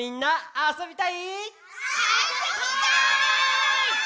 あそびたい！